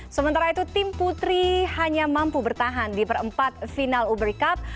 sementara itu tim putri hanya mampu bertahan di perempat final uber cup